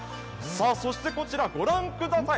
そしてこちらご覧ください。